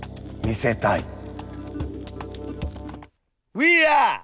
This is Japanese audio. ウィーアー。